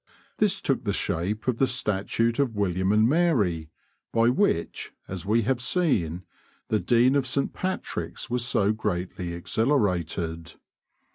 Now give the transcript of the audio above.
This took the shape of the statute of William and Mary, by which, as we have seen, the Dean of St. Patrick's was so greatly exhilarated.